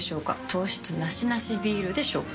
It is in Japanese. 糖質ナシナシビールでしょうか？